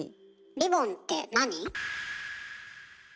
リボンってなに？